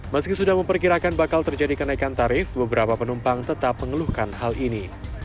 meski sudah memperkirakan bakal terjadi kenaikan tarif beberapa penumpang tetap mengeluhkan hal ini